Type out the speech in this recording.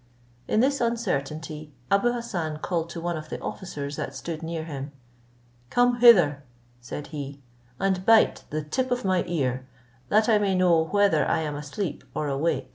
In this uncertainty Abou Hassan called to one of the officers that stood near him: "Come hither," said he, "and bite the tip of my ear, that I may know whether I am asleep or awake."